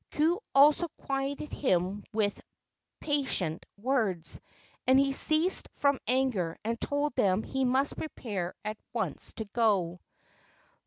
Ku also quieted him with patient words, and he ceased from anger and told them he must prepare at once to go.